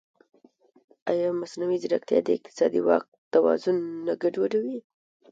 ایا مصنوعي ځیرکتیا د اقتصادي واک توازن نه ګډوډوي؟